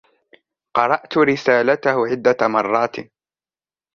قرأت رسالته عدة مرات.